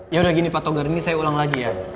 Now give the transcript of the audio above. ya udah gini pak togarni saya ulang lagi ya